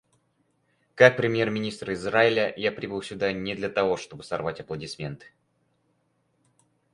Как премьер-министр Израиля я прибыл сюда не для того, чтобы сорвать аплодисменты.